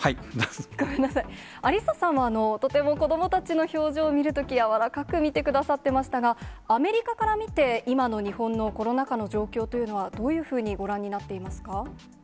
アリッサさんは、とても子どもたちの表情を見るとき、柔らかく見てくださってましたが、アメリカから見て、今の日本のコロナ禍の状況というのは、どういうふうにご覧になっていますか？